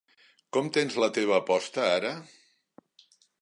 Com tens la teva aposta ara?